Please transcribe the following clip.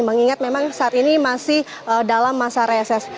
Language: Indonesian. mengingat memang saat ini masih dalam masa reses